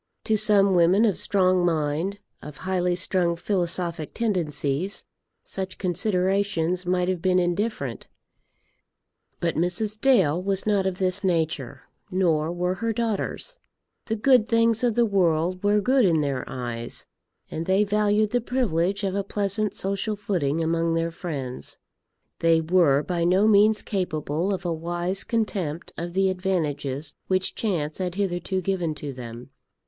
To some women of strong mind, of highly strung philosophic tendencies, such considerations might have been indifferent. But Mrs. Dale was not of this nature, nor were her daughters. The good things of the world were good in their eyes, and they valued the privilege of a pleasant social footing among their friends. They were by no means capable of a wise contempt of the advantages which chance had hitherto given to them.